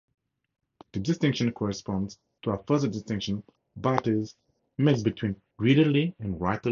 The distinction corresponds to a further distinction Barthes makes between "readerly" and "writerly" texts.